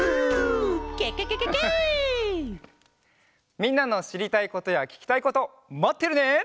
みんなのしりたいことやききたいことまってるね！